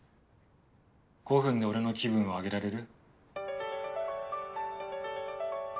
５分で俺の気分を上げられる？